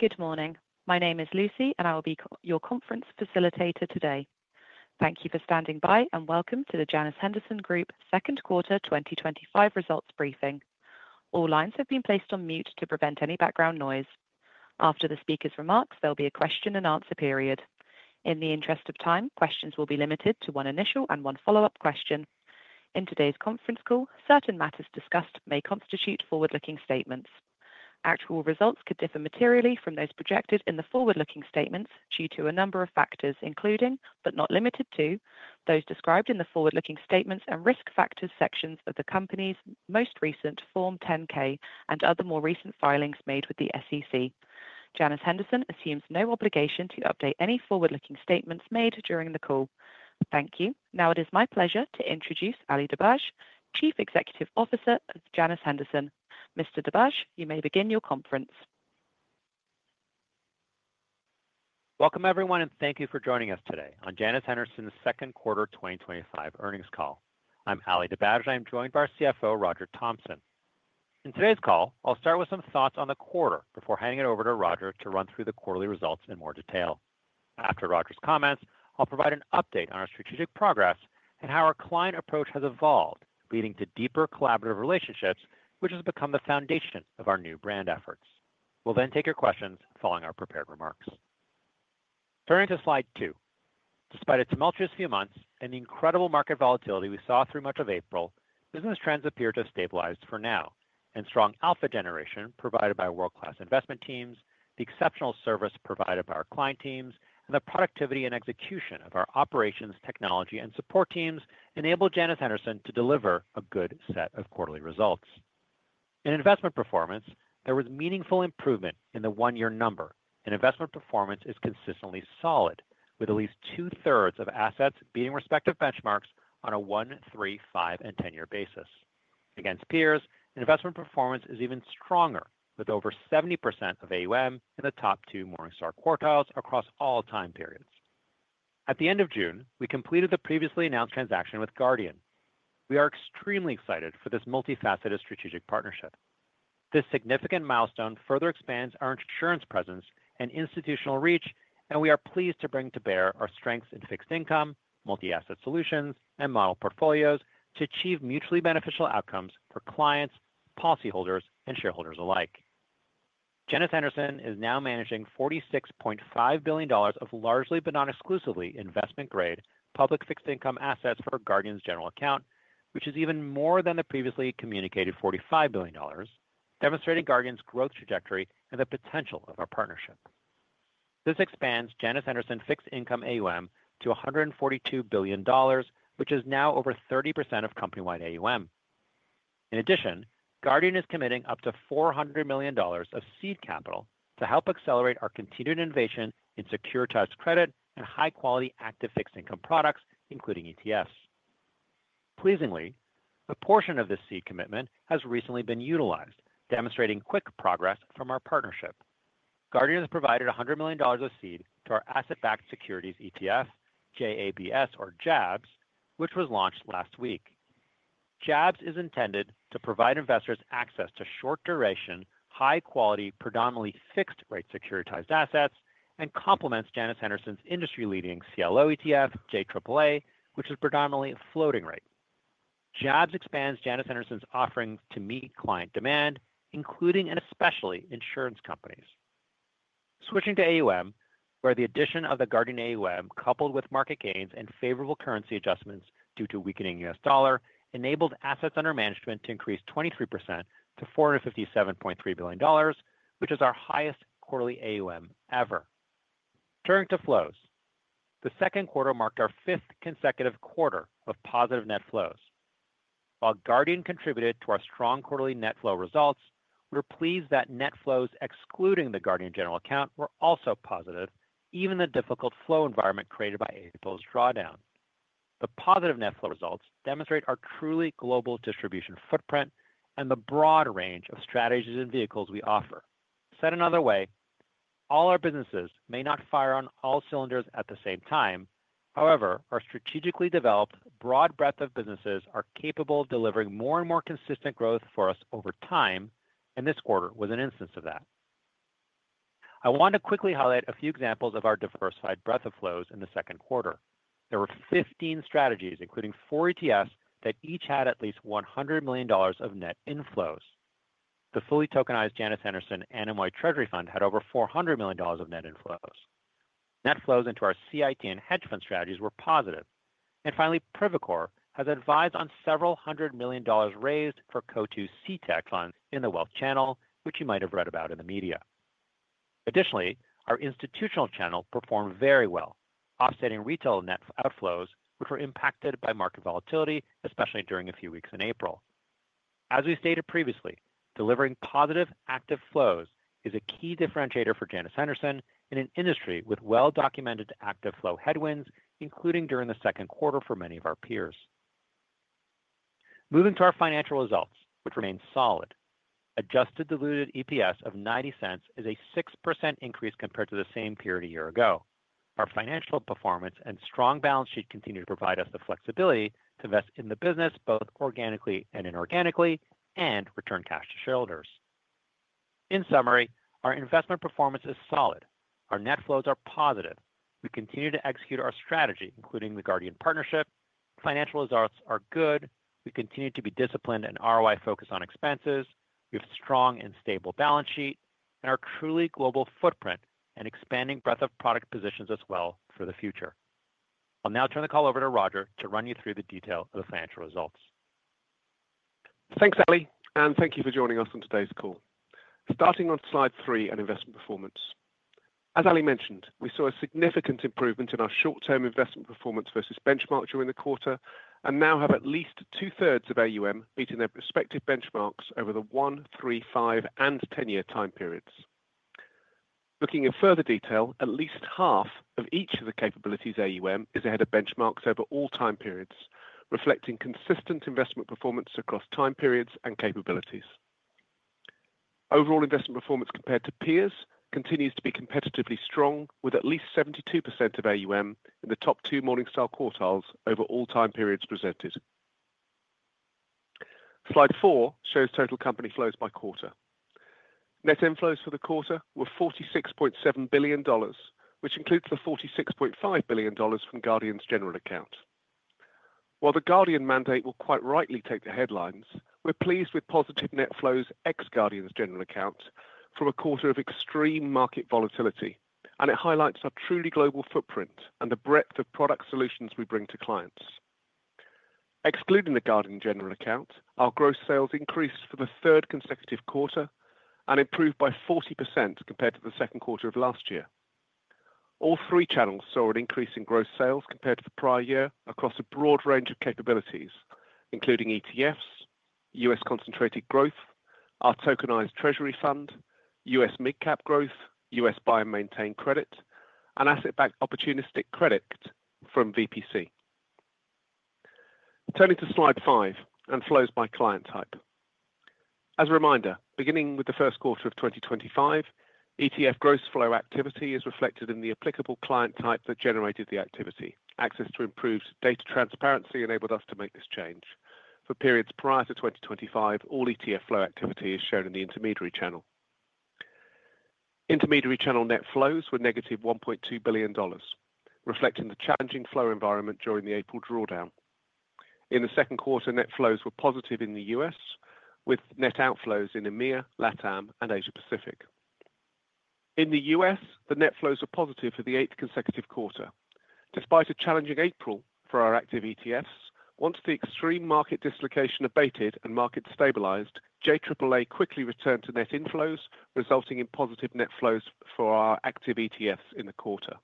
Good morning. My name is Lucy and I will be your conference facilitator today. Thank you for standing by and welcome to the Janus Henderson Group Second Quarter 2025 Results Briefing. All lines have been placed on mute to prevent any background noise. After the speaker's remarks, there will be a question and answer period. In the interest of time, questions will be limited to one initial and one follow up question. In today's conference call, certain matters discussed may constitute forward looking statements. Actual results could differ materially from those projected in the forward looking statements due to a number of factors including but not limited to those described in the Forward Looking Statements and Risk Factors sections of the Company's most recent Form 10-K and other more recent filings made with the SEC. Janus Henderson assumes no obligation to update any forward looking statements made during the call. Thank you. Now it is my pleasure to introduce Ali Dibadj, Chief Executive Officer of Janus Henderson. Mr. Dibadj, you may begin your conference. Welcome everyone and thank you for joining us today on Janus Henderson's Second Quarter 2025 Earnings Call. I'm Ali Dibadj and I'm joined by our CFO Roger Thompson in today's call. I'll start with some thoughts on the quarter before handing it over to Roger to run through the quarterly results in more detail. After Roger's comments, I'll provide an update on our strategic progress and how our client approach has evolved leading to deeper collaborative relationships which has become the foundation of our new brand efforts. We'll then take your questions following our prepared remarks. Turning to Slide 2, despite a tumultuous few months and the incredible market volatility we saw through much of April, business trends appear to have stabilized for now and strong alpha generation provided by world class investment teams. The exceptional service provided by our client teams and the productivity and execution of our operations, technology, and support teams enable Janus Henderson to deliver a good set of quarterly results. In investment performance, there was meaningful improvement in the one year number and investment performance is consistently solid with at least 2/3 of assets beating respective benchmarks on a 1, 3, 5, and 10 year basis. Against peers, investment performance is even stronger with over 70% of AUM in the top two Morningstar quartiles across all time periods. At the end of June, we completed the previously announced transaction with Guardian. We are extremely excited for this multifaceted strategic partnership. This significant milestone further expands our insurance presence and institutional reach and we are pleased to bring to bear our strengths in fixed income, multi asset solutions, and model portfolios to achieve mutually beneficial outcomes for clients, policyholders, and shareholders alike. Janus Henderson is now managing $46.5 billion of largely but not exclusively investment-grade public fixed income assets for Guardian's General Account which is even more than the previously communicated $45 billion, demonstrating Guardian's growth trajectory and the potential of our partnership. This expands Janus Henderson fixed income AUM to $142 billion which is now over 30% of company wide AUM. In addition, Guardian is committing up to $400 million of seed capital to help accelerate our continued innovation in securitized credit and high quality active fixed income products including ETFs. Pleasingly, a portion of this seed commitment has recently been utilized, demonstrating quick progress from our partnership. Guardian has provided $100 million of seed to our asset-backed securities ETF, JABS, which was launched last week. JABS is intended to provide investors access to short duration, high quality, predominantly fixed rate securitized assets and complements Janus Henderson's industry leading CLO ETF, JAAA, which is predominantly floating rate. JABS expands Janus Henderson's offerings to meet client demand, including and especially insurance companies. Switching to AUM, the addition of the Guardian AUM, coupled with market gains and favorable currency adjustments due to a weakening U.S. dollar, enabled assets under management to increase 23% to $457.3 billion, which is our highest quarterly AUM ever. Turning to flows, the second quarter marked our fifth consecutive quarter of positive net flows. While Guardian contributed to our strong quarterly net flow results, we're pleased that net flows excluding the Guardian General Account were also positive. Even in the difficult flow environment created by April's drawdown, the positive net flow results demonstrate our truly global distribution footprint and the broad range of strategies and vehicles we offer. Said another way, all our businesses may not fire on all cylinders at the same time. However, our strategically developed broad breadth of businesses are capable of delivering more and more consistent growth for us over time, and this quarter was an instance of that. I want to quickly highlight a few examples of our diversified breadth of flows. In the second quarter, there were 15 strategies, including four ETFs, that each had at least $100 million of net inflows. The fully tokenized Janus Henderson Anemoy Treasury Fund had over $400 million of net inflows. Net flows into our CIT and hedge-fund strategies were positive, and finally, Privicor has advised on several hundred million dollars raised for CO2 CTAC funds in the wealth channel, which you might have read about in the media. Additionally, our institutional channel performed very well, offsetting retail net outflows, which were impacted by market volatility, especially during a few weeks in April. As we stated previously, delivering positive active flows is a key differentiator for Janus Henderson in an industry with well-documented active flow headwinds, including during the second quarter for many of our peers. Moving to our financial results, which remain solid, adjusted diluted EPS of $0.90 is a 6% increase compared to the same period a year ago. Our financial performance and strong balance sheet continue to provide us the flexibility to invest in the business both organically and inorganically and return cash to shareholders. In summary, our investment performance is solid, our net flows are positive, we continue to execute our strategy including the Guardian partnership. Financial results are good, we continue to be disciplined and ROI focused on expenses, we have strong and stable balance sheet, and our truly global footprint and expanding breadth of product positions us well for the future. I'll now turn the call over to Roger to run you through the detail of the financial results. Thanks Ali and thank you for joining us on today's call. Starting on slide 3 and investment performance, as Ali mentioned, we saw a significant improvement in our short-term investment performance versus benchmark during the quarter and now have at least 2/3 of AUM meeting their respective benchmarks over the 1, 3, 5, and 10 year time periods. Looking in further detail, at least half of each of the capabilities AUM is ahead of benchmarks over all time periods, reflecting consistent investment performance across time periods and capabilities. Overall investment performance compared to peers continues to be competitively strong with at least 72% of AUM in the top two Morningstar quartiles over all time periods presented. Slide 4 shows total company flows by quarter. Net inflows for the quarter were $46.7 billion, which includes the $46.5 billion from Guardian's General Account. While the Guardian mandate will quite rightly take the headlines, we're pleased with positive net flows ex Guardian's General Account from a quarter of extreme market volatility and it highlights our truly global footprint and the breadth of product solutions we bring to clients. Excluding the Guardian General Account, our gross sales increased for the third consecutive quarter and improved by 40% compared to the second quarter of last year. All three channels saw an increase in gross sales compared to the prior year across a broad range of capabilities including ETFs, U.S. Concentrated Growth, our tokenized treasury fund, U.S. Mid Cap Growth, U.S. Buy and Maintain Credit and Asset-Backed Opportunistic Credit from VPC. Turning to slide 5 and flows by client type, as a reminder, beginning with the first quarter of 2025, ETF gross flow activity is reflected in the applicable client type that generated the activity. Access to improved data transparency enabled us to make this change. For periods prior to 2025, all ETF flow activity is shown in the Intermediary Channel. Intermediary Channel net flows were -$1.2 billion, reflecting the challenging flow environment during the April drawdown. In the second quarter, net flows were positive in the U.S. with net outflows in EMEA, LATAM, and Asia Pacific. In the U.S., the net flows were positive for the eighth consecutive quarter despite a challenging April for our active ETFs. Once the extreme market dislocation abated and markets stabilized, JAAA quickly returned to net inflows resulting in positive net flows for our active ETFs in the quarter.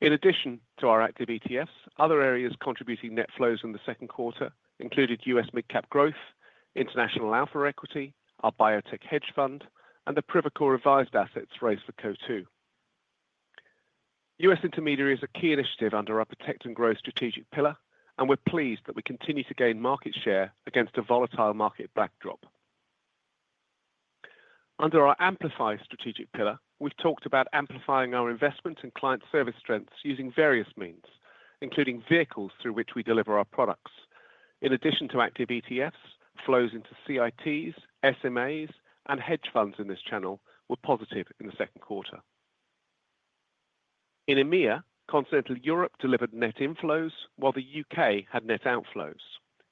In addition to our active ETFs, other areas contributing net flows in the second quarter included U.S. mid cap growth, International Alpha Equity, our biotech hedge fund, and the Privicor revised assets raised for CO2. U.S. Intermediary is a key initiative under our Protect and Grow strategic pillar, and we're pleased that we continue to gain market share against a volatile market backdrop. Under our Amplify strategic pillar, we've talked about amplifying our investment and client service strengths using various means, including vehicles through which we deliver our products. In addition to active ETFs, flows into CITs, SMAs, and hedge funds in this channel were positive in the second quarter. In EMEA, Continental Europe delivered net inflows, while the U.K. had net outflows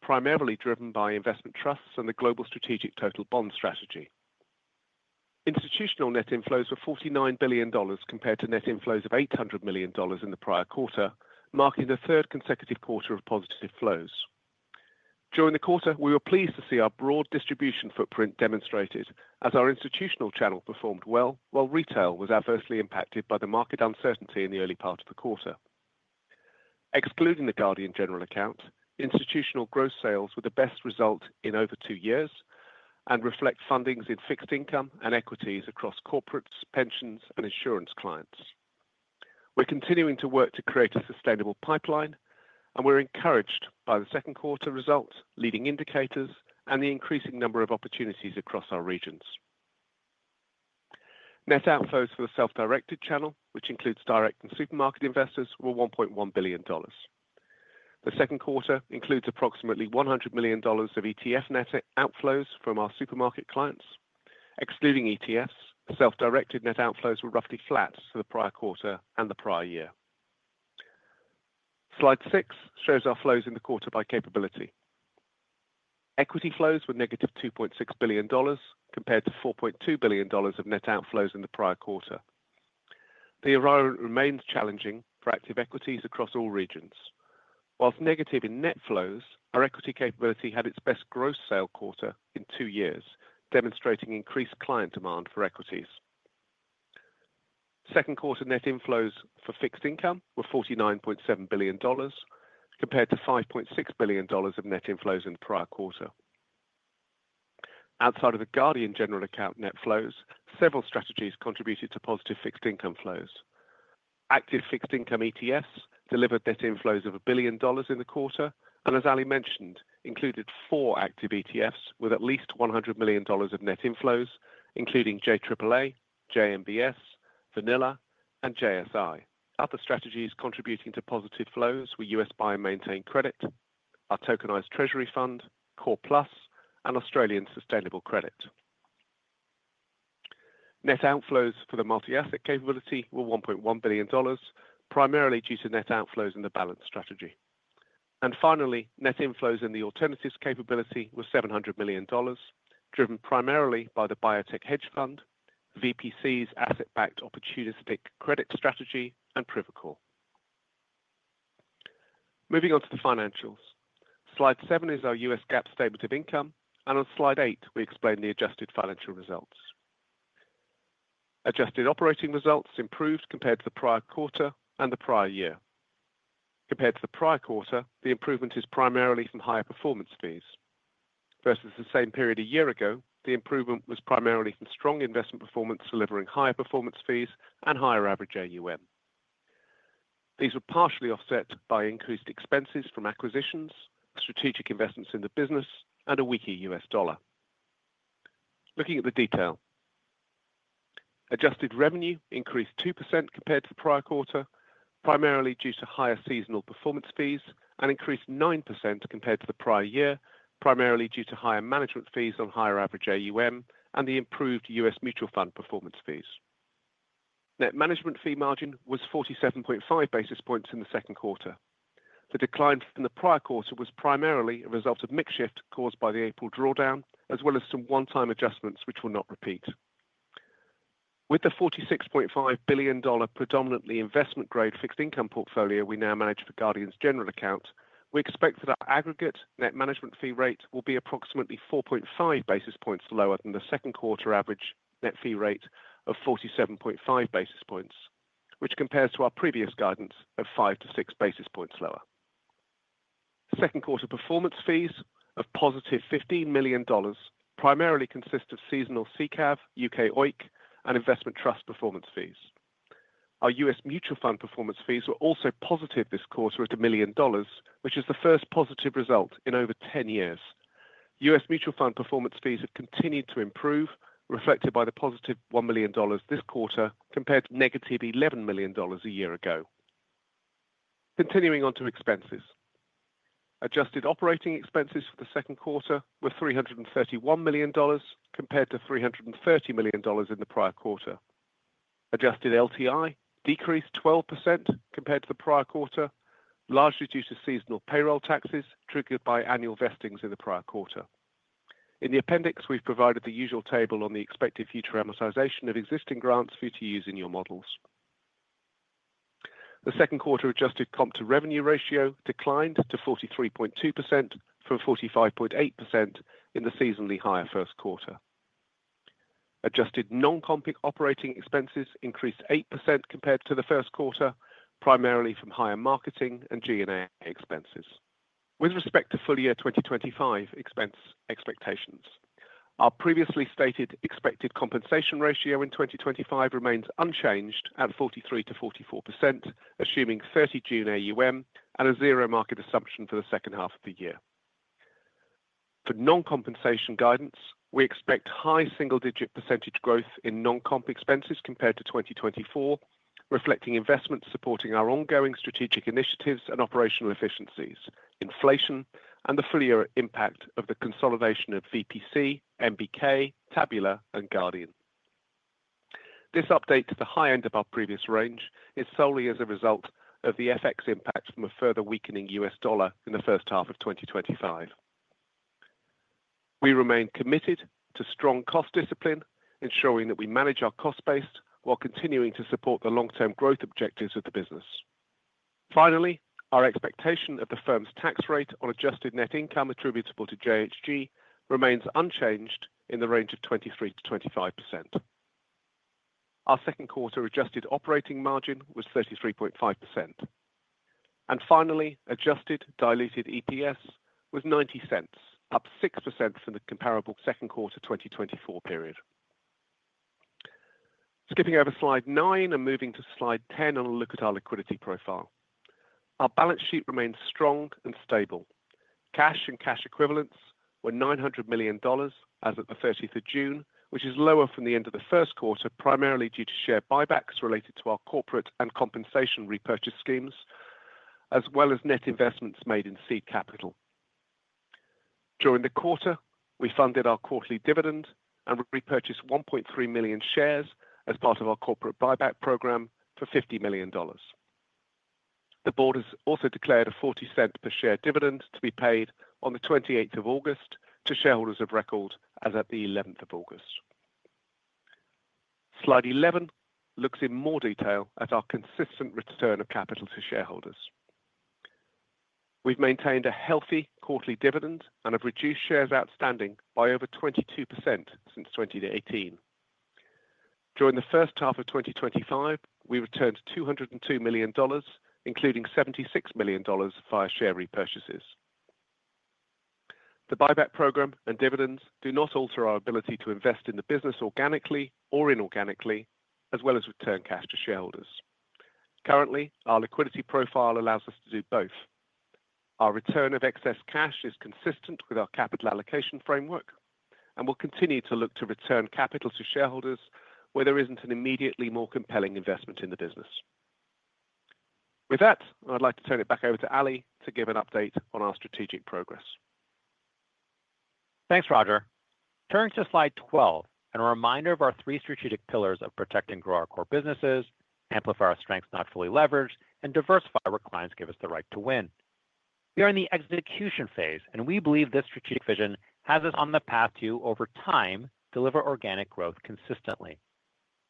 primarily driven by investment trusts and the Global Strategic Total Bond Strategy. Institutional net inflows were $4.9 billion compared to net inflows of $800 million in the prior quarter, marking the third consecutive quarter of positive flows. During the quarter, we were pleased to see our broad distribution footprint demonstrated as our institutional channel performed well, while retail was adversely impacted by the market uncertainty in the early part of the quarter. Excluding the Guardian General Account, institutional gross sales were the best result in over two years and reflect fundings in fixed income and equities across corporates, pensions, and insurance clients. We're continuing to work to create a sustainable pipeline, and we're encouraged by the second quarter results, leading indicators, and the increasing number of opportunities across our regions. Net outflows for the self-directed channel, which includes direct and supermarket investors, were $1.1 billion. The second quarter includes approximately $100 million of ETF net outflows from our supermarket clients. Excluding ETFs, self-directed net outflows were roughly flat to the prior quarter and the prior year. Slide 6 shows our flows in the quarter. By capability, equity flows were -$2.6 billion compared to $4.2 billion of net outflows in the prior quarter. The environment remains challenging for active equities across all regions. Whilst negative in net flows, our equity capability had its best gross sale quarter in two years, demonstrating increased client demand for equities. Second quarter net inflows for fixed income were $49.7 billion compared to $5.6 billion of net inflows in the prior quarter outside of the Guardian General Account. Net flows from several strategies contributed to positive fixed income flows. Active fixed income ETFs delivered net inflows of $1 billion in the quarter and as Ali mentioned, included four active ETFs with at least $100 million of net inflows including JAAA, JMBS, VNLA, and JSI. Other strategies contributing to positive flows were U.S. Buy and Maintain Credit, our tokenized treasury fund, Core Plus, and Australian Sustainable Credit. Net outflows for the multi-asset capability were $1.1 billion, primarily due to net outflows in the balance strategy, and finally, net inflows in the alternatives capability were $700 million, driven primarily by the biotech hedge fund, VPC's asset-backed opportunistic credit strategy, and Privicor. Moving on to the financials, slide 7 is our U.S. GAAP statement of income and on slide 8 we explain the adjusted financial results. Adjusted operating results improved compared to the prior quarter and the prior year. The improvement is primarily from higher performance fees versus the same period a year ago. The improvement was primarily from strong investment performance delivering higher performance fees and higher average AUM. These were partially offset by increased expenses from acquisitions, strategic investments in the business, and a weaker U.S. dollar. Looking at the detail, adjusted revenue increased 2% compared to the prior quarter, primarily due to higher seasonal performance fees, and increased 9% compared to the prior year, primarily due to higher management fees on higher average AUM and the improved U.S. mutual fund performance fees. Net management fee margin was 47.5 basis points in the second quarter. The decline in the prior quarter was primarily a result of mix shift caused by the April drawdown as well as some one-time adjustments which will not repeat. With the $46.5 billion predominantly investment grade fixed income portfolio we now manage for Guardian's General Account, we expect that our aggregate net management fee rate will be approximately 4.5 basis points lower than the second quarter average net fee rate of 47.5 basis points, which compares to our previous guidance of 5 basis points-6 basis points. Lower second quarter performance fees of +$15 million primarily consist of seasonal CCAV, U.K. OIK, and investment trust performance fees. Our U.S. mutual fund performance fees were also positive this quarter at $1 million, which is the first positive result in over 10 years. U.S. mutual fund performance fees have continued to improve, reflected by the +$1 million this quarter compared to -$11 million a year ago. Continuing on to expenses, adjusted operating expenses for the second quarter were $331 million compared to $330 million in the prior quarter. Adjusted LTI decreased 12% compared to the prior quarter, largely due to seasonal payroll taxes triggered by annual vestings in the prior quarter. In the appendix, we've provided the usual table on the expected future amortization of existing grants for you to use in your models. The second quarter adjusted comp to revenue ratio declined to 43.2% from 45.8% in the seasonally higher first quarter. Adjusted non-comp operating expenses increased 8% compared to the first quarter, primarily from higher marketing and G&A expenses. With respect to full year 2025 expense expectations, our previously stated expected compensation ratio in 2025 remains unchanged at 43%-44%, assuming 30 June AUM and a zero market assumption for the second half of the year. For non-compensation guidance, we expect high single-digit percentage growth in non-comp expenses compared to 2024, reflecting investments supporting our ongoing strategic initiatives and operational efficiencies, inflation, and the full year impact of the consolidation of VPC, NBK, Tabula, and Guardian. This update to the high end of our previous range is solely as a result of the FX impact from a further weakening U.S. dollar in the first half of 2025. We remain committed to strong cost discipline, ensuring that we manage our cost base while continuing to support the long-term growth objectives of the business. Finally, our expectation of the firm's tax rate on adjusted net income attributable to JHG remains unchanged in the range of 23%-25%. Our second quarter adjusted operating margin was 33.5%, and finally, adjusted diluted EPS was $0.90, up 6% from the comparable second quarter 2024 period. Skipping over Slide 9 and moving to Slide 10 and look at our liquidity profile. Our balance sheet remains strong and stable. Cash and cash equivalents were $900 million as at 30 June, which is lower from the end of the first quarter, primarily due to share buybacks related to our corporate and compensation repurchase schemes, as well as net investments made in seed capital. During the quarter, we funded our quarterly dividend and repurchased 1.3 million shares as part of our corporate buyback program for $50 million. The board has also declared a $0.40 per share dividend to be paid on 28 August to shareholders of record as at 11 August. Slide 11 looks in more detail at our consistent return of capital to shareholders. We've maintained a healthy quarterly dividend and have reduced shares outstanding by over 22% since 2018. During the first half of 2025, we returned $202 million, including $76 million via share repurchases. The buyback program and dividends do not alter our ability to invest in the business organically or inorganically, as well as return cash to shareholders. Currently, our liquidity profile allows us to do both. Our return of excess cash is consistent with our capital allocation framework and we'll continue to look to return capital to shareholders where there isn't an immediately more compelling investment in the business. With that, I'd like to turn it back over to Ali to give an update on our strategic progress. Thanks, Roger. Turning to slide 12 and a reminder of our three strategic pillars of Protect and Grow our core businesses, Amplify our strengths not fully leveraged, and Diversify where clients give us the right to win. We are in the execution phase, and we believe this strategic vision has us on the path to, over time, deliver organic growth consistently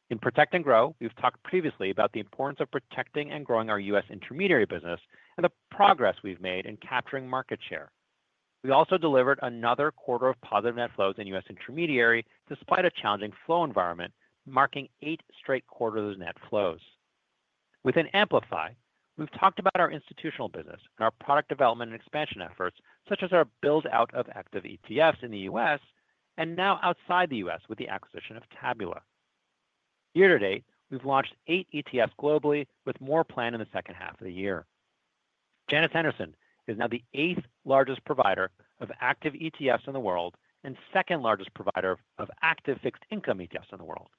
in Protect and Grow. We've talked previously about the importance of protecting and growing our U.S. Intermediary business and the progress we've made in capturing market share. We also delivered another quarter of positive net flows in U.S. Intermediary despite a challenging flow environment, marking eight straight quarters of net flows. Within Amplify, we've talked about our institutional business and our product development and expansion efforts, such as our build out of active ETFs in the U.S. and now outside the U.S. with the acquisition of Tabula. Year to date, we've launched eight ETFs globally, with more planned in the second half of the year. Janus Henderson is now the eighth largest provider of active ETFs in the world and second largest provider of active fixed income ETFs in the world.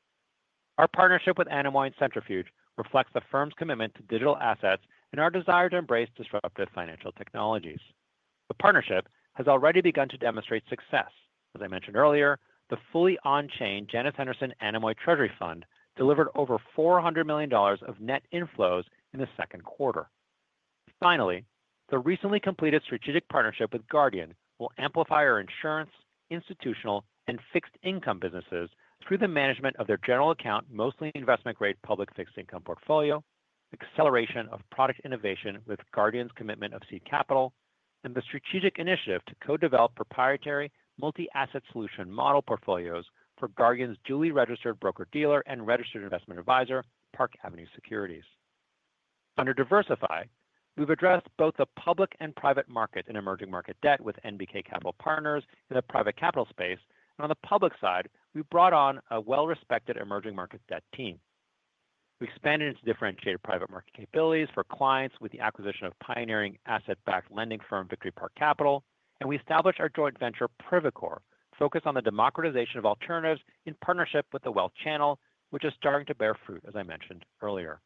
Our partnership with Anemoy and Centrifuge reflects the firm's commitment to digital assets and our desire to embrace disruptive financial technologies. The partnership has already begun to demonstrate success. As I mentioned earlier, the fully on-chain Janus Henderson Anemoy Treasury Fund delivered over $400 million of net inflows in the second quarter. Finally, the recently completed strategic partnership with Guardian will amplify our insurance, institutional, and fixed income businesses through the management of their general account, mostly investment grade public fixed income portfolio, acceleration of product innovation with Guardian's commitment of seed capital, and the strategic initiative to co-develop proprietary multi-asset solution model portfolios for Guardian's duly registered broker dealer and registered investment advisor Park Avenue Securities. Under Diversify, we've addressed both the public and private market and emerging market debt with NBK Capital Partners. In the private capital space and on the public side, we brought on a well-respected emerging market debt team. We expanded its differentiated private market capabilities for clients with the acquisition of pioneering asset-backed lending firm Victory Park Capital. We established our joint venture Privicor focused on the democratization of alternatives in partnership with the Wealth Channel, which is starting to bear fruit. As I mentioned earlier,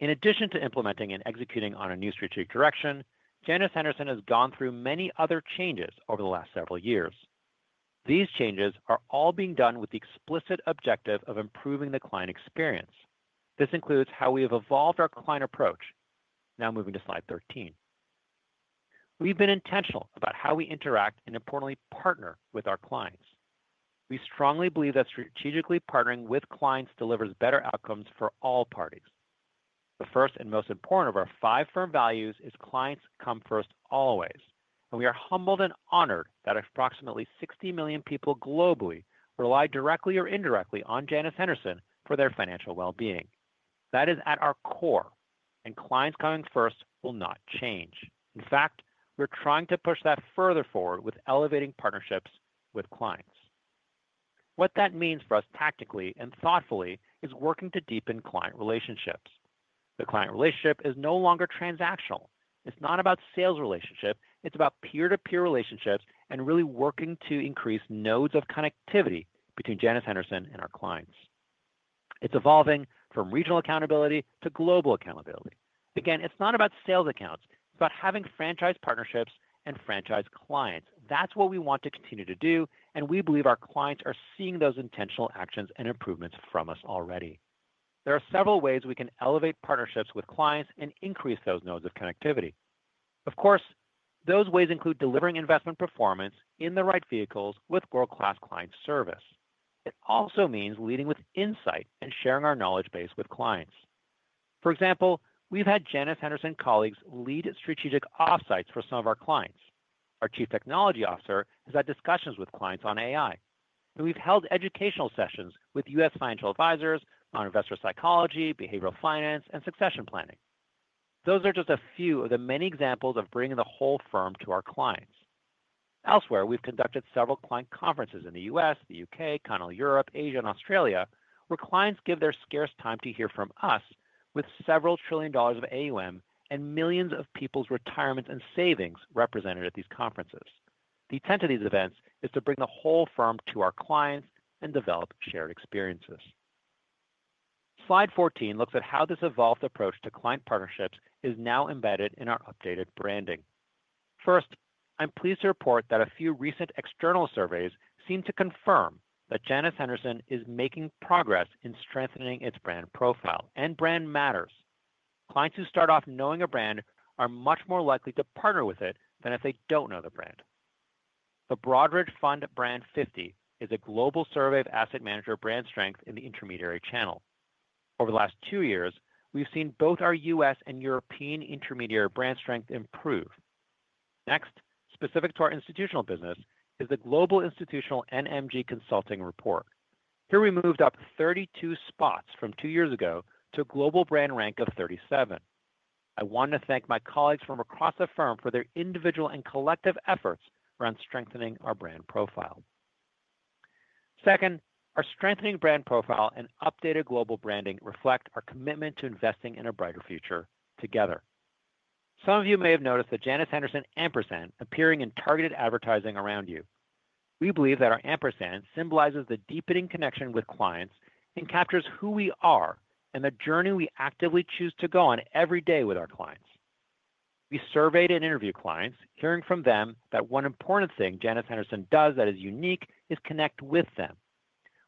in addition to implementing and executing on a new strategic direction, Janus Henderson has gone through many other changes over the last several years. These changes are all being done with the explicit objective of improving the client experience. This includes how we have evolved our client approach. Now moving to slide 13, we've been intentional about how we interact and, importantly, partner with our clients. We strongly believe that strategically partnering with clients delivers better outcomes for all parties. The first and most important of our five firm values is clients come first always. We are humbled and honored that approximately 60 million people globally rely directly or indirectly on Janus Henderson for their financial well-being. That is at our core, and clients coming first will not change. In fact, we're trying to push that further forward with elevating partnerships with clients. What that means for us tactically and thoughtfully is working to deepen client relationships. The client relationship is no longer transactional. It's not about sales relationships. It's about peer-to-peer relationships and really working to increase nodes of connectivity between Janus Henderson and our clients. It's evolving from regional accountability to global accountability. Again, it's not about sales accounts, it's about having franchise partnerships and franchise clients. That's what we want to continue to do, and we believe our clients are seeing those intentional actions and improvements from us already. There are several ways we can elevate partnerships with clients and increase those nodes of connectivity. Of course, those ways include delivering investment performance in the right vehicles with world-class client service. It also means leading with insight and sharing our knowledge base with clients. For example, we've had Janus Henderson colleagues lead strategic off-sites for some of our clients. Our Chief Technology Officer has had discussions with clients on AI, and we've held educational sessions with U.S. financial advisors on investor psychology, behavioral finance, and succession planning. Those are just a few of the many examples of bringing the whole firm to our clients. Elsewhere, we've conducted several client conferences in the U.S., the U.K., Continental Europe, Asia, and Australia where clients give their scarce time to hear from us. With several trillion dollars of AUM and millions of people's retirement and savings represented at these conferences, the intent of these events is to bring the whole firm to our clients and develop shared experiences. Slide 14 looks at how this evolved approach to client partnerships is now embedded in our updated branding. First, I'm pleased to report that a few recent external surveys seem to confirm that Janus Henderson is making progress in strengthening its brand profile and brand matters. Clients who start off knowing a brand new are much more likely to partner with it than if they don't know the brand. The Broadridge Fund Brand 50 is a global survey of asset manager brand strength in the intermediary channel. Over the last two years we've seen both our U.S. and European intermediary brand strength improve. Next, specific to our institutional business is the Global Institutional NMG Consulting Report. Here we moved up 32 spots from two years ago to global brand rank of 37. I want to thank my colleagues from across the firm for their individual and collective efforts around strengthening our brand profile. Second, our strengthening brand profile and updated global branding reflect our commitment to investing in a brighter future together. Some of you may have noticed the Janus Henderson Ampersand appearing in targeted advertising around you. We believe that our Ampersand symbolizes the deepening connection with clients and captures who we are and the journey we actively choose to go on. Every day with our clients, we surveyed and interview clients, hearing from them that one important thing Janus Henderson does that is unique is connect with them.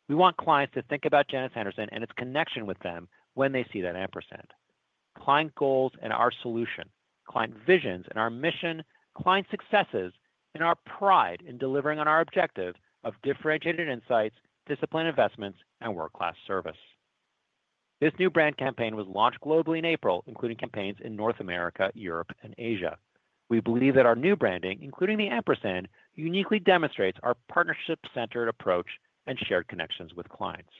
We want clients to think about Janus Henderson and its connection with them when they see that Ampersand: client goals and our solution, client visions and our mission, client successes and our pride in delivering on our objective of differentiated insights, disciplined investments, and world-class service. This new brand campaign was launched globally in April, including campaigns in North America, Europe, and Asia. We believe that our new branding, including the Ampersand, uniquely demonstrates our partnership-centered approach and shared connections with clients.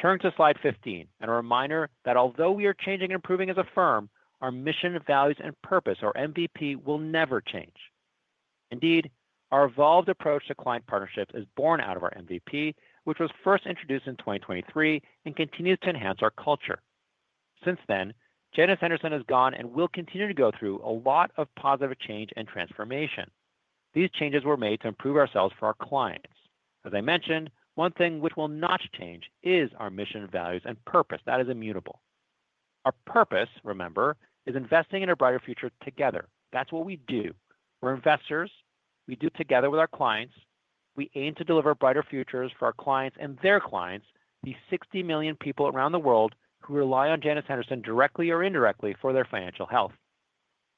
Turn to Slide 15 and a reminder that although we are changing and improving as a firm, our mission, values, and purpose or MVP will never change. Indeed, our evolved approach to client partnerships is born out of our MVP, which was first introduced in 2023 and continues to enhance our culture. Since then, Janus Henderson has gone and will continue to go through a lot of positive change and transformation. These changes were made to improve ourselves for our clients. As I mentioned, one thing which will not change is our mission, values, and purpose. That is immutable. Our purpose, remember, is investing in a brighter future together. That's what we do. We're investors. We do together with our clients. We aim to deliver brighter futures for our clients and their clients, the 60 million people around the world who rely on Janus Henderson directly or indirectly for their financial health.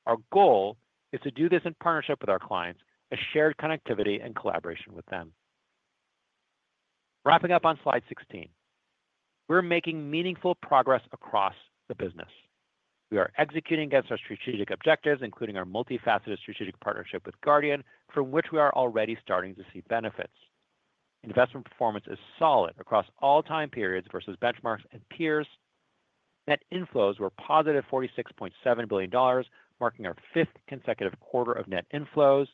Our goal is to do this in partnership with our clients, a shared connectivity and collaboration with them. Wrapping up on Slide 16, we're making meaningful progress across the business. We are executing against our strategic objectives, including our multifaceted strategic partnership with Guardian, from which we are already starting to see benefits. Investment performance is solid across all time periods versus benchmarks and peers. Net inflows were positive, $46.7 billion, marking our fifth consecutive quarter of net inflows.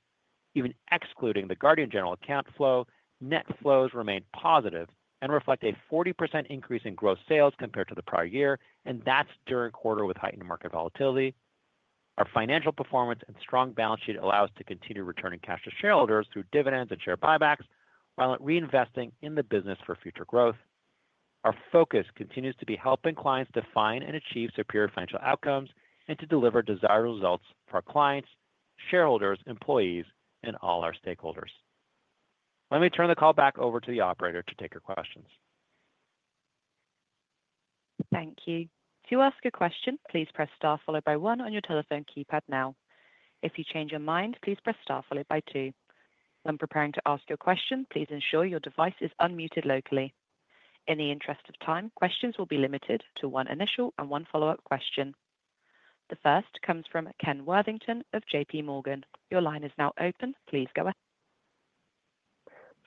Even excluding the Guardian general account flow, net flows remain positive and reflect a 40% increase in gross sales compared to the prior year. That is during the quarter. With heightened market volatility, our financial performance and strong balance sheet allow us to continue returning cash to shareholders through dividends and share buybacks, while reinvesting in the business for future growth. Our focus continues to be helping clients define and achieve superior financial outcomes and to deliver desired results for our clients, shareholders, employees, and all our stakeholders. Let me turn the call back over to the operator to take your questions. Thank you. To ask a question, please press Star followed by one on your telephone keypad. If you change your mind, please press Star followed by two. When preparing to ask your question, please ensure your device is unmuted locally in the interest of time. Questions will be limited to one initial and one follow up question. The first comes from Ken Worthington of JPMorgan. Your line is now open. Please go ahead.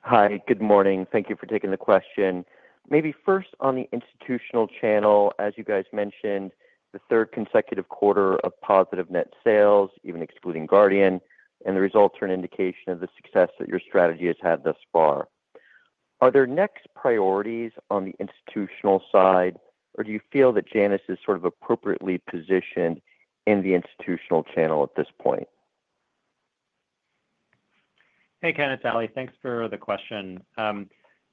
Hi, good morning. Thank you for taking the question. Maybe first on the institutional channel. As you guys mentioned, the third consecutive quarter of positive net sales, even excluding Guardian, and the results are an indication of the success that your strategy has had thus far. Are there next priorities on the institutional side or do you feel that Janus is sort of appropriately positioned in the institutional channel at this point? Hey Ken, it's Ali. Thanks for the question.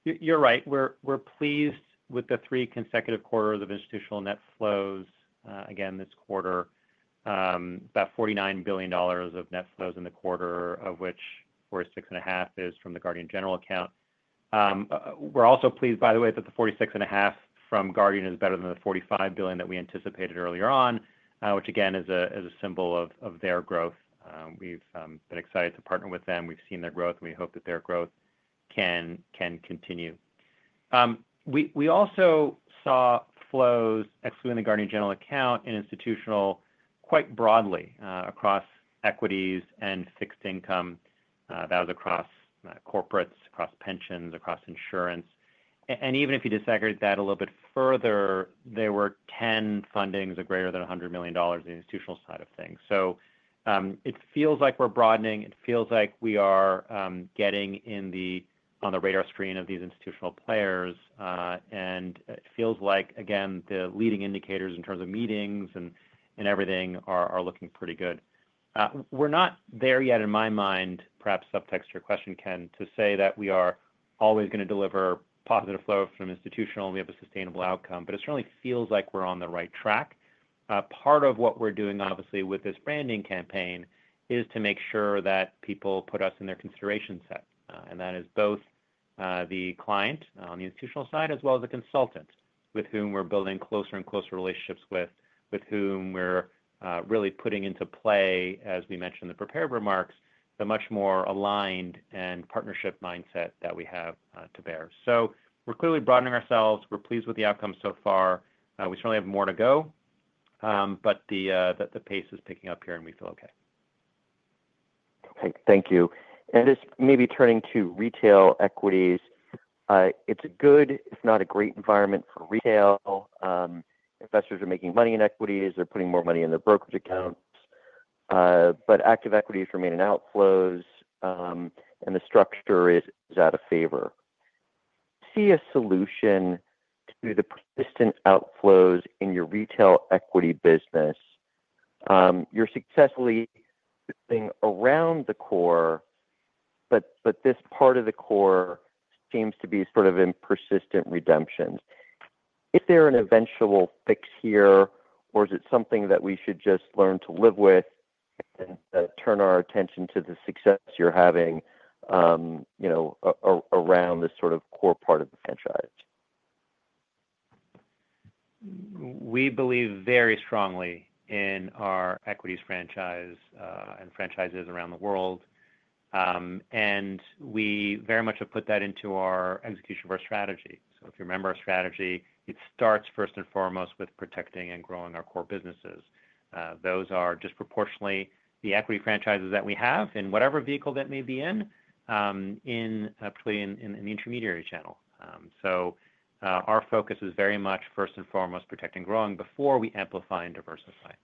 You're right. We're pleased with the three consecutive quarters of institutional net flows again this quarter. About $49 billion of net flows in the quarter, of which $46.5 billion is from the Guardian General Account. We're also pleased, by the way, that the $46.5 billion from Guardian is better than the $45 billion that we anticipated earlier on, which again is a symbol of their growth. We've been excited to partner with them. We've seen their growth. We hope that their growth can continue. We also saw flows excluding the Guardian General Account and institutional, quite broadly across equities and fixed income, that was across corporates, across pensions, across insurance. Even if you disaggregate that a little bit further, there were 10 fundings of greater than $100 million in the institutional side of things. It feels like we're broadening. It feels like we are getting on the radar screen of these institutional players. It feels like again, the leading indicators in terms of meetings and everything are looking pretty good. We're not there yet in my mind. Perhaps subtext your question, Ken, to say that we are always going to deliver positive flow from institutional. We have a sustainable outcome, but it certainly feels like we're on the right track. Part of what we're doing, obviously, with this branding campaign is to make sure that people put us in their consideration set. That is both the client on the institutional side as well as the consultant with whom we're building closer and closer relationships, with whom we're really putting into play, as we mentioned in the prepared remarks, the much more aligned and partnership mindset that we have to bear. We're clearly broadening ourselves, we're pleased with the outcome so far. We certainly have more to go, but the pace is picking up here and we feel okay. Okay, thank you. Just maybe turning to retail equities, it's a good, if not a great environment for retail. Investors are making money in equities, they're putting more money in their brokerage accounts, but active equities remain in outflows and the structure is out of favor. See a solution to the persistent outflows in your retail equity business. You're successfully building around the core, but this part of the core seems to be sort of in persistent redemptions. Is there an eventual fix here or is it something that we should just learn to live with and turn our attention to the success you're having, you know, around this sort of core part of the franchise? We believe very strongly in our equities franchise and franchises around the world, and we very much have put that into our execution of our strategy. If you remember our strategy, it starts first and foremost with protecting and growing our core businesses. Those are disproportionately the equity franchises that we have in whatever vehicle that may be in, in the intermediary channel. Our focus is very much first and foremost, protecting, growing before we amplify and diversify.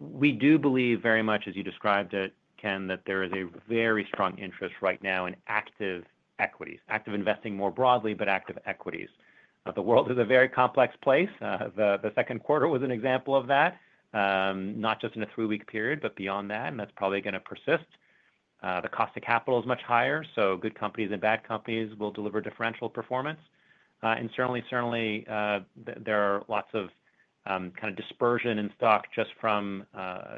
We do believe very much as you described it, Ken, that there is a very strong interest right now in active equities, active investing more broadly, but active equities, the world is a very complex place. The second quarter was an example of that. Not just in a three week period, but beyond that. That's probably going to persist. The cost of capital is much higher. Good companies and bad companies will deliver differential performance. Certainly, there are lots of kind of dispersion in stock just from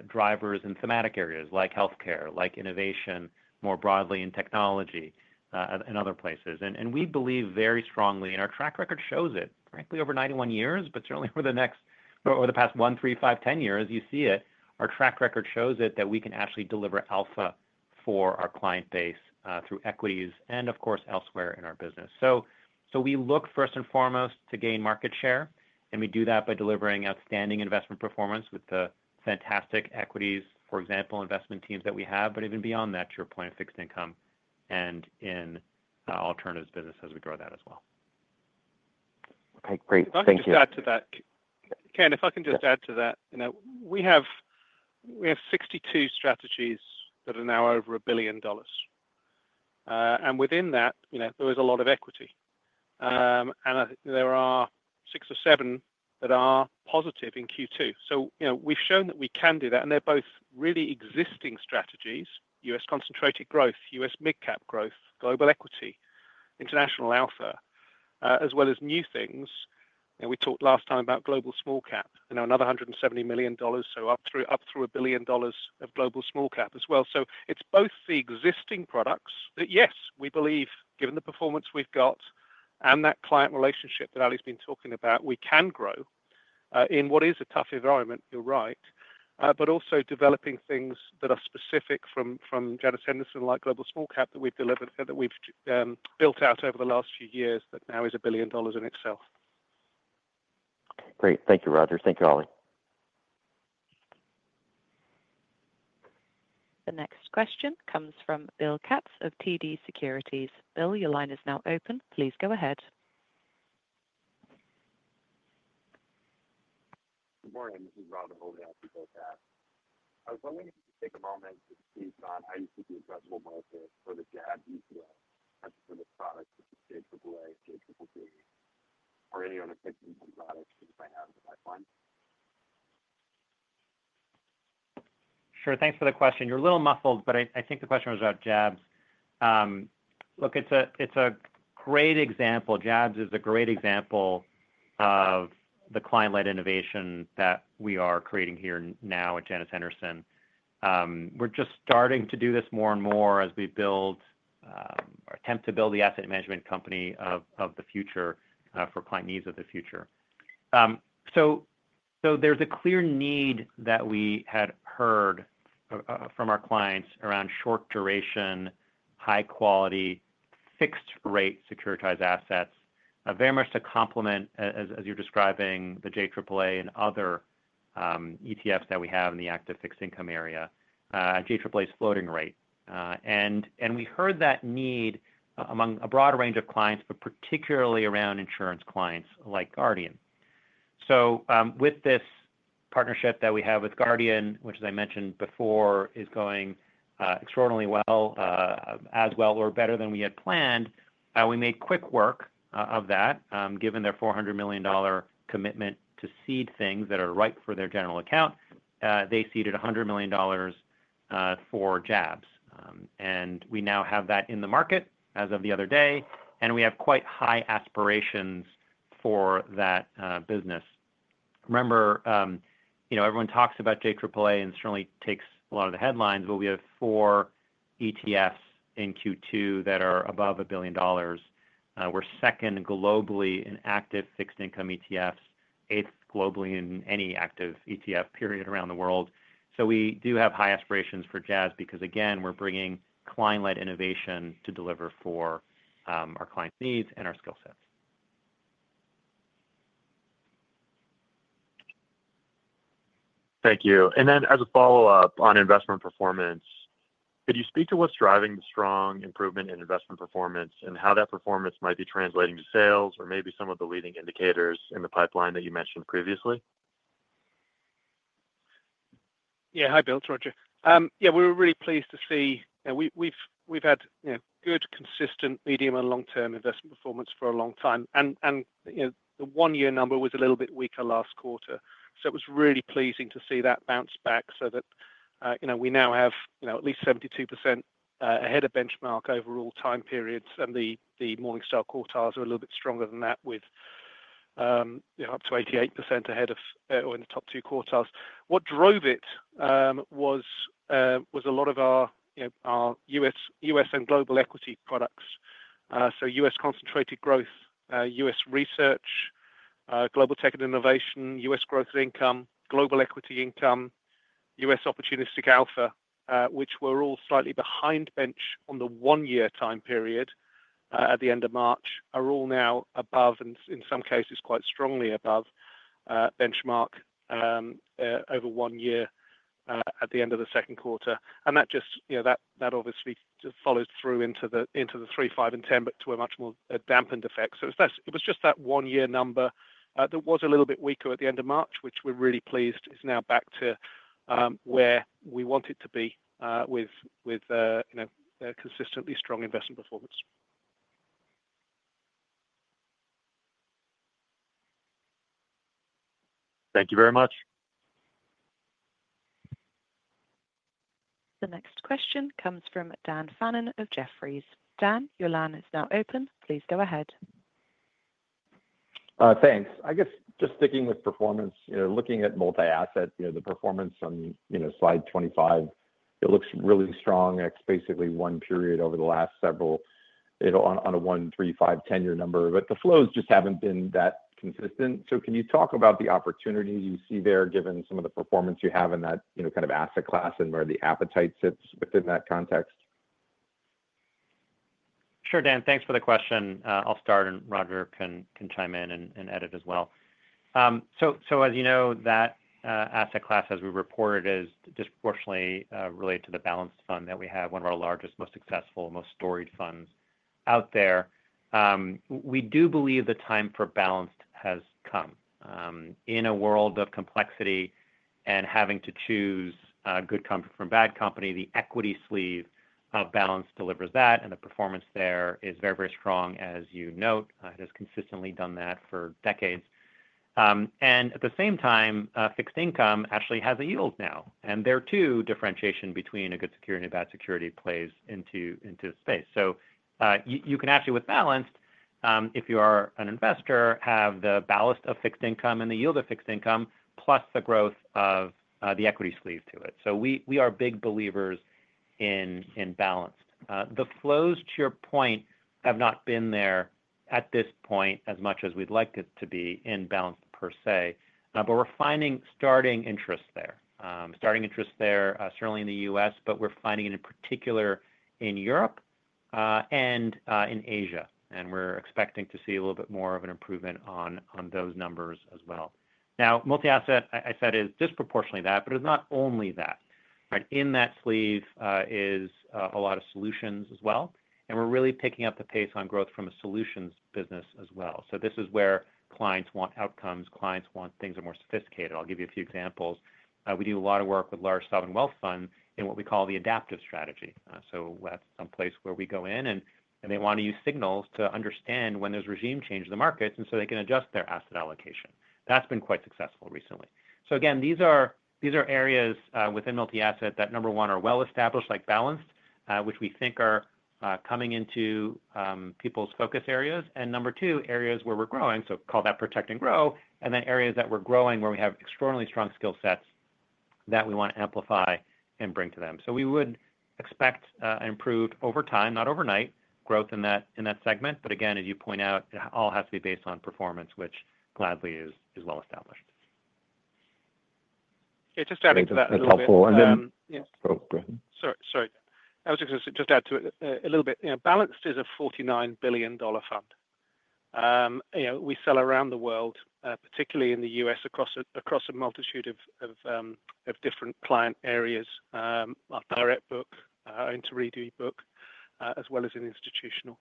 drivers in thematic areas like health care, like innovation, more broadly in technology and other places. We believe very strongly and our track record shows it, frankly over 91 years, but certainly over the past 1, 3, 5, 10 years, you see it, our track record shows it that we can actually deliver alpha for our client base through equities and of course elsewhere in our business. We look first and foremost to gain market share and we do that by delivering outstanding investment performance with the fantastic equities, for example, investment teams that we have. Even beyond that, to your point of fixed income and in alternatives, business as we grow, that as well. Okay, great. Thank you. Ken. If I can just add to that, we have 62 strategies that are now over $1 billion, and within that there is a lot of equity and there are six or seven that are positive in Q2. We have shown that we can do that, and they're both really existing strategies. U.S. Concentrated Growth, U.S. Mid Cap Growth, global equity, international alpha, as well as new things. We talked last time about Global Small Cap, another $170 million, up through $1 billion of Global Small Cap as well. It is both the existing products that, yes, given the performance we've got and that client relationship that Ali's been talking about, we can grow in what is a tough environment, you're right, but also developing things that are specific from Janus Henderson, like Global Small Cap that we've delivered, that we've built out over the last few years, that now is $1 billion in itself. Great. Thank you, Roger. Thank you, Ali. The next question comes from Bill Katz of TD Securities. Bill, your line is now open. Please go ahead. Good morning, this is Robin holding out. I was wondering if you could take A moment to speak on how you see addressable market for the Janus Henderson Asset-Backed Securities ETF. Enter the products such as JAAA, JCCG. Or any other fixed income product. Sure. Thanks for the question. You're a little muffled, but I think the question was about JABS. Look, it's a great example, JABS is a great example of the client-led innovation that we are creating here now at Janus Henderson. We're just starting to do this more and more as we attempt to build the asset management company of the future for client needs of the future. There's a clear need that we had heard from our clients around short duration, high quality, fixed rate, securitized assets. Very much to complement, as you're describing, the JAAA and other ETFs that we have in the active fixed income area, JAAA's floating rate. We heard that need among a broad range of clients, but particularly around insurance clients like Guardian. With this partnership that we have with Guardian, which as I mentioned before is going extraordinarily well as well or better than we had planned, we made quick work of that. Given their $400 million commitment to seed things that are right for their general account, they seeded $100 million for JABS and we now have that in the market as of the other day. We have quite high aspirations for that business. Remember, everyone talks about JAAA and certainly it takes a lot of the headlines, but we have four ETFs in Q2 that are above $1 billion. We're second globally in active fixed-income ETFs, eighth globally in any active ETF period around the world. We do have high aspirations for JABS because again, we're bringing client-led innovation to deliver for our clients' needs and our skill sets. Thank you. As a follow up on investment performance, could you speak to what's driving the strong improvement in investment performance and how that performance might be translating to sales or maybe some of the leading indicators in the pipeline that you mentioned previously. Yeah, hi Bill, it's Roger. We were really pleased to see we've had good, consistent medium and long-term investment performance for a long time. The one-year number was a little bit weaker last quarter. It was really pleasing to see that bounce back so that we now have at least 72% ahead of benchmark overall time periods. The Morningstar quartiles are a little bit stronger than that with up to 88% ahead of or in the top two quartiles. What drove it was a lot of our U.S. and global equity products. U.S. concentrated growth, U.S. research, global technology and innovation, U.S. growth income, global equity income, U.S. opportunistic alpha, which were all slightly behind benchmark on the one-year time period at the end of March, are all now above and in some cases quite strongly above benchmark over one year at the end of the second quarter. That obviously follows through into the 3, 5, and 10, but to a much more dampened effect. It was just that one-year number that was a little bit weaker at the end of March, which we're really pleased is now back to where we want it to be with consistently strong investment performance. Thank you very much. The next question comes from Dan Fannin of Jefferies. Dan, your line is now open. Please go ahead. Thanks. I guess just sticking with performance, looking at multi asset, the performance on Slide 25, it looks really strong, basically one period over the last several on a 1, 3, 5, 10 year number. The flows just haven't been that consistent. Can you talk about the opportunities you see there given some of the performance you have in that kind of asset class and where the appetite sits within that context? Sure, Dan, thanks for the question. I'll start and Roger can chime in and edit as well. As you know, that asset class, as we reported, is disproportionately related to the balanced fund that we have, one of our largest, most successful, most storied funds out there. We do believe the time for balanced has come in a world of complexity and having to choose good company from bad company. The equity sleeve balance delivers that and the performance there is very, very strong, as you note. It has consistently done that for decades. At the same time, fixed income actually has a yield now and there too differentiation between a good security and a bad security plays into space. You can actually with balanced, if you are an investor, have the ballast of fixed income and the yield of fixed income plus the growth of the equity sleeve to it. We are big believers in balanced. The flows to your point have not been there at this point as much as we'd like it to be in balanced per se, but we're finding starting interest there, starting interest there certainly in the U.S. We're finding it in particular in Europe and in Asia and we're expecting to see a little bit more of an improvement on those numbers as well. Now multi asset I said is disproportionately that, but it's not only that, in that sleeve is a lot of solutions as well. We're really picking up the pace on growth from a solutions business as well. This is where clients want outcomes, clients want things that are more sophisticated. I'll give you a few examples. We do a lot of work with large sovereign wealth funds in what we call the adaptive strategy. That's someplace where we go in and they want to use signals to understand when those regime change the markets and so they can adjust their asset allocation. That's been quite successful recently. These are areas within multi asset that, number one, are well established like Balanced, which we think are coming into people's focus areas, and number two, areas where we're growing, so call that protect and grow, and then areas that we're growing where we have extraordinarily strong skill sets that we want to amplify and bring to them. We would expect improved over time, not overnight growth in that segment. Again, as you point out, all has to be based on performance, which gladly is well established. Just adding to that, that's helpful. I was just going to add to it a little bit. Balanced is a $49 billion fund we sell around the world, particularly in the U.S. across a multitude of different client areas. Our direct book, intermediary book as well as institutional,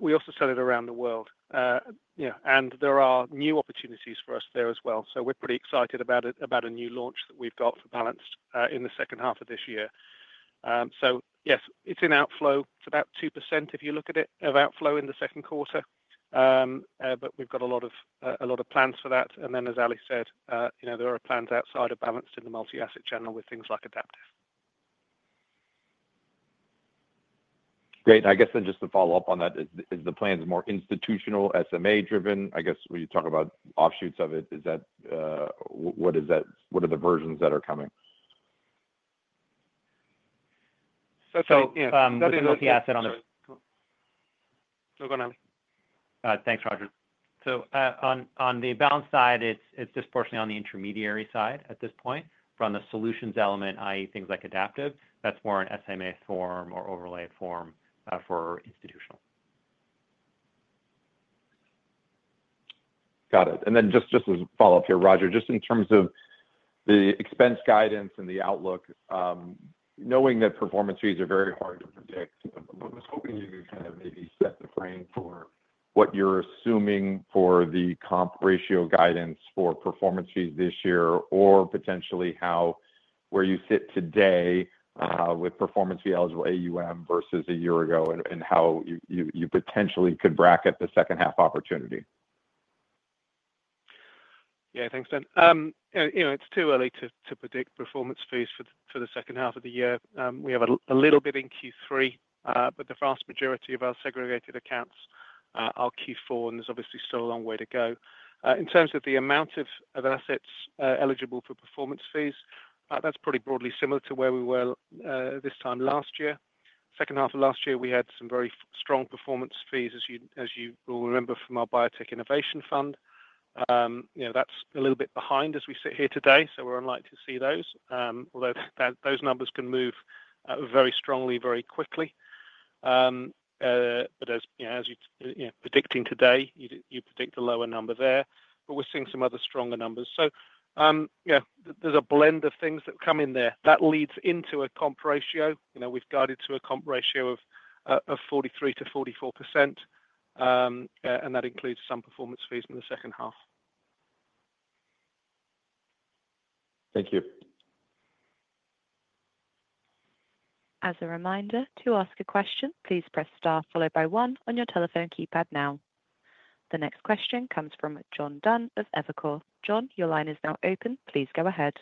we also sell it around the world and there are new opportunities for us there as well. We're pretty excited about a new launch that we've got for Balanced in the second half of this year. Yes, it's in outflow, it's about 2% if you look at it, of outflow in the second quarter. We've got a lot of plans for that. As Ali said, there are plans outside of Balanced in the multi asset channel with things like adaptive. Great. I guess then just to follow up on that, is the plans more institutional, SMA driven? I guess when you talk about offshoots of it, is that what is that? What are the versions that are coming? Thanks, Roger. On the balance side, it's disproportionately on the intermediary side at this point from the solutions element, that is things like adaptive, that's more an SMA form or overlay form for institutional. Got it. Just as a follow up. Roger, just in terms of the expense guidance and the outlook, knowing that performance fees are very hard to predict, I was hoping you could maybe set the frame for what you're assuming for the comp ratio guidance for performance fees this year or potentially where you sit today with performance fee eligible AUM versus a year ago and how you potentially could bracket the second half opportunity. Yeah, thanks Dan. You know it's too early to predict performance fees for the second half of the year. We have a little bit in Q3, but the vast majority of our segregated accounts are Q4. There's obviously still a long way to go in terms of the amount of assets eligible for performance fees. That's pretty broadly similar to where we were this time last year. Second half of last year we had some very strong performance fees as you will remember from our Biotech Innovation Fund. That's a little bit behind as we sit here today. We're unlikely to see those, although those numbers can move very strongly, very quickly. As you predict today, you predict a lower number there, but we're seeing some other stronger numbers. There's a blend of things that come in there that leads into a comp ratio. We've guided to a comp ratio of 43%-44% and that includes some performance fees in the second half. Thank you. As a reminder to ask a question, please press star followed by one on your telephone keypad. Now the next question comes from John Dunn of Evercore. John, your line is now open. Please go ahead.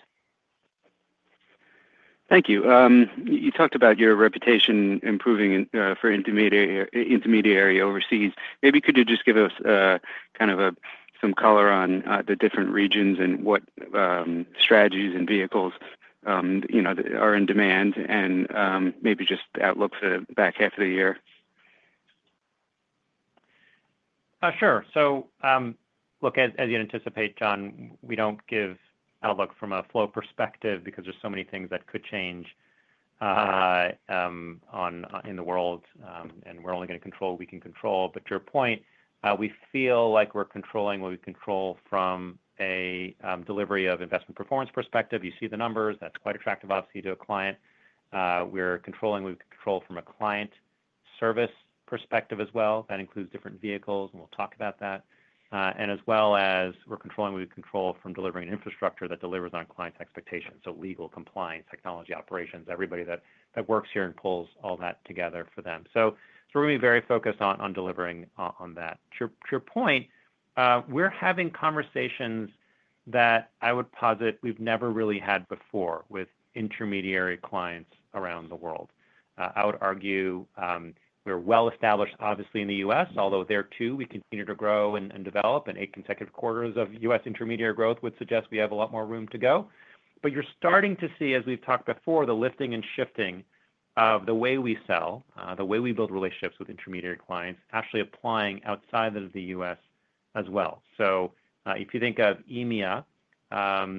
Thank you. You talked about your reputation improving for intermediary overseas. Maybe could you just give us kind of some color on the different regions and what strategies and vehicles are in demand and maybe just outlook for the back half of the year. Sure. As you anticipate, John, we do not give outlook from a flow perspective because there are so many things that could change in the world and we are only going to control what we can control. To your point, we feel like we are controlling what we control from a delivery of investment performance perspective. You see the numbers that are quite attractive obviously to a client. We are controlling what we control from a client service perspective as well. That includes different vehicles and we will talk about that. We are also controlling what we control from delivering an infrastructure that delivers on clients' expectations. Legal, compliance, technology, operations, everybody that works here pulls all that together for them. We are going to be very focused on delivering on that. To your point, we are having conversations that I would posit we have never really had before with intermediary clients around the world. I would argue we are well established obviously in the U.S. although there too we continue to grow and develop and eight consecutive quarters of U.S. intermediary growth would suggest we have a lot more room to go. You are starting to see, as we have talked before, the lifting and shifting of the way we sell, the way we build relationships with intermediary clients actually applying outside of the U.S. as well. If you think of EMEA,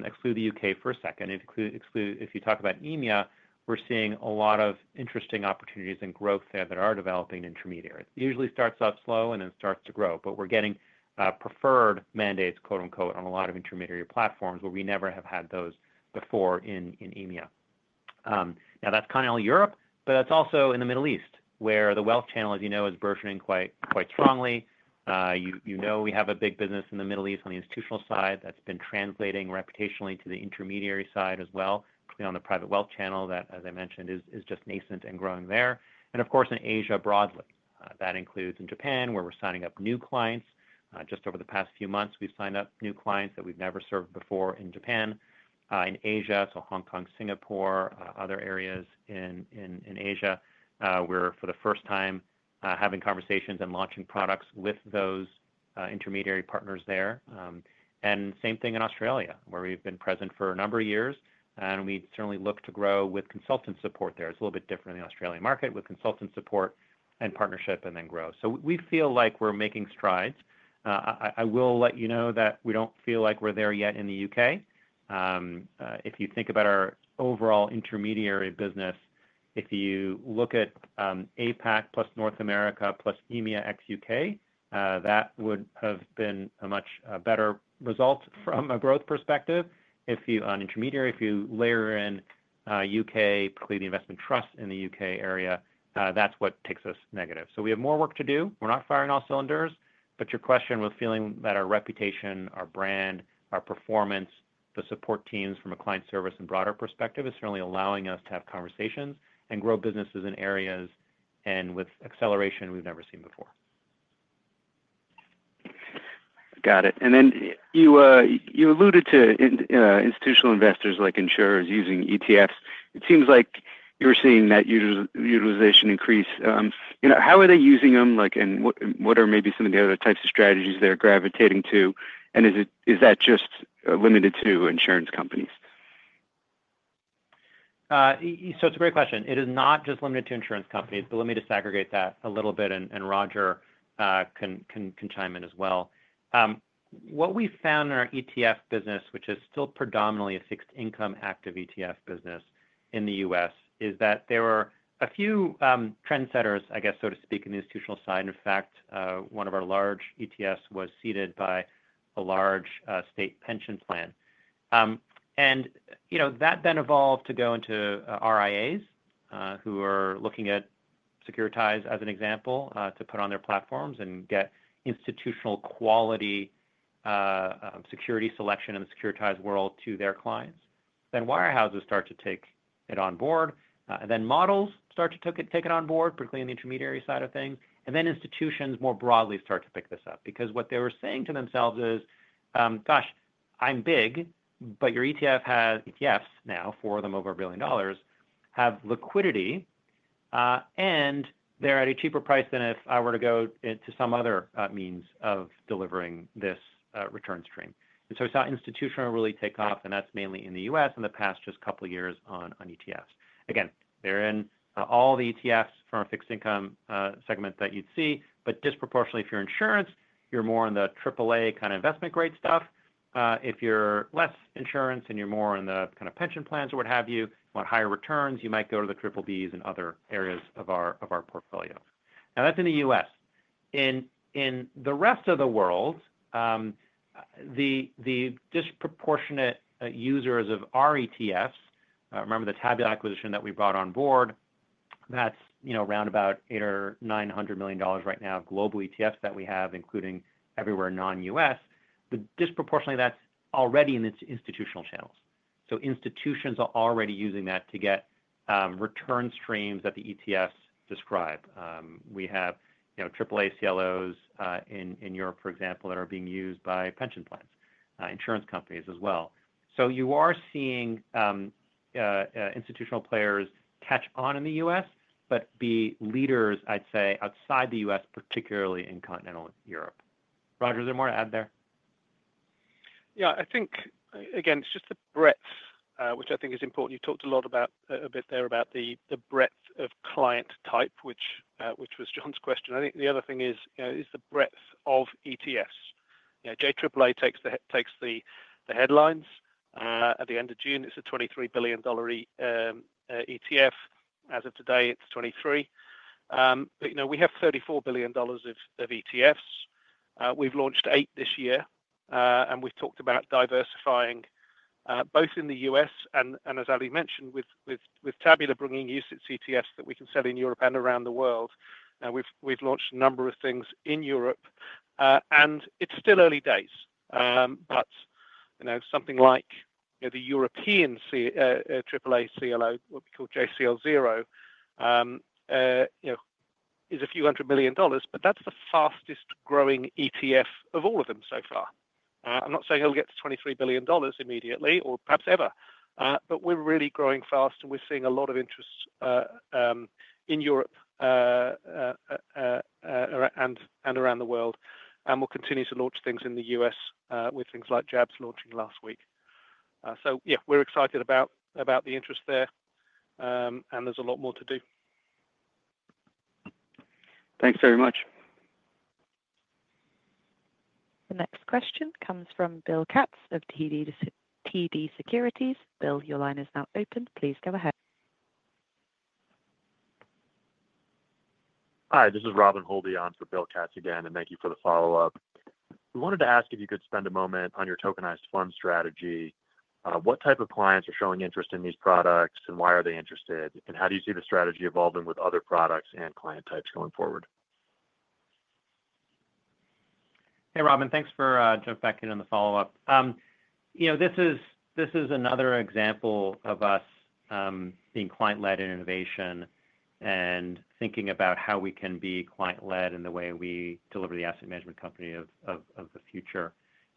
exclude the U.K. for a second. If you talk about EMEA, we are seeing a lot of interesting opportunities and growth there that are developing. Intermediary usually starts off slow and then starts to grow. We are getting preferred mandates, quote unquote, on a lot of intermediary platforms where we never have had those before in EMEA. That is continental Europe, but that is also in the Middle East, where the wealth channel, as you know, is burgeoning quite strongly. We have a big business in the Middle East on the institutional side that has been translating reputationally to the intermediary side as well, on the private wealth channel that, as I mentioned, is just nascent and growing there. Of course in Asia broadly, that includes in Japan, where we are signing up new clients. Just over the past few months, we have signed up new clients that we have never served before in Japan. In Asia, so Hong Kong, Singapore, other areas in Asia, we are for the first time having conversations and launching products with those intermediary partners there. The same thing in Australia, where we've been present for a number of years. We certainly look to grow with consultant support there. It's a little bit different in the Australian market with consultant support and partnership and then grow. We feel like we're making strides. I will let you know that we don't feel like we're there yet in the U.K. If you think about our overall intermediary business, if you look at APAC plus North America plus EMEA ex-U.K., that would have been a much better result from a growth perspective. If you, on intermediary, if you layer in U.K., including investment trust in the U.K. area, that's what takes us negative. We have more work to do. We're not firing on all cylinders. Your question was feeling that our reputation, our brand, our performance, the support teams, from a client service and broader perspective, is certainly allowing us to have conversations and grow businesses in areas and with acceleration we've never seen before. Got it. You alluded to institutional investors. Like insurers using ETFs. It seems like you're seeing that utilization increase. How are they using them and what are maybe some of the other types of strategies they're gravitating to. Is it just limited to insurance companies? It's a great question. It is not just limited to insurance companies, but let me just segregate that a little bit and Roger can chime in as well. What we found in our ETF business, which is still predominantly a fixed income active ETF business in the U.S., is that there are a few trendsetters, I guess so to speak, in the institutional side. In fact, one of our large ETFs was seeded by a large state pension plan. That then evolved to go into RIAs who are looking at securitized as an example to put on their platforms and get institutional quality security selection in the securitized world to their clients. Wirehouses start to take it on board, then models start to take it on board, particularly in the intermediary side of things, and then institutions more broadly start to pick this up because what they were saying to themselves is gosh, I'm big, but your ETF has ETFs now for them over a billion dollars, have liquidity, and they're at a cheaper price than if I were to go to some other means of delivering this return stream. We saw institutional really take off and that's mainly in the U.S. in the past just couple of years on ETFs. They're in all the ETFs from a fixed income segment that you'd see, but disproportionately if you're insurance, you're more in the triple A kind of investment grade stuff. If you're less insurance and you're more in the kind of pension plans or what have you, want higher returns, you might go to the triple B's in other areas of our portfolio. That's in the U.S. In the rest of the world, the disproportionate users of our ETFs, remember the Tabula acquisition that we brought on board, that's around about $800 million or $900 million right now. Global ETFs that we have, including everywhere, non-U.S., but disproportionately that's already in its institutional channels. Institutions are already using that to get return streams that the ETFs describe. We have AAA CLOs in Europe, for example, that are being used by pension plans, insurance companies as well. You are seeing institutional players catch on in the U.S., but be leaders, I'd say, outside the U.S., particularly in continental Europe. Roger, is there more to add there? Yeah, I think again it's just the breadth, which I think is important. You talked a lot about a bit there about the breadth of client type, which was John's question. I think the other thing is the breadth of ETFs. JAAA takes the headlines at the end of June. It's a $23 billion ETF. As of today it's $23 billion. But you know, we have $34 billion of ETFs. We've launched eight this year and we've talked about diversifying both in the U.S. and as Ali mentioned, with Tabula bringing UCITS ETF that we can sell in Europe and around the world. Now we've launched a number of things in Europe and it's still early days, but something like the European AAA CLO, what we call JCL0, is a few hundred million dollars, but that's the fastest growing ETF of all of them so far. I'm not saying it'll get to $23 billion immediately or perhaps ever, but we're really growing fast and we're seeing a lot of interest in Europe and around the world and we'll continue to launch things in the U.S. with things like JABS launching last week. Yeah, we're excited about the interest there and there's a lot more to do. Thanks very much. The next question comes from Bill Katz of TD Securities. Bill, your line is now open. Please go ahead. Hi, this is Robin Holbein for Bill Katz again and thank you for the follow up. We wanted to ask if you could spend a moment on your tokenized fund strategy. What type of clients are showing interest in these products and why are they interested and how do you see the strategy evolving with other products and client types going forward? Hey Robin, thanks for jumping back in on the follow up. This is another example of us being client led in innovation and thinking about how we can be client led in the way we deliver the asset management company of the future